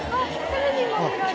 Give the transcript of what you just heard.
テレビも見られるんだ。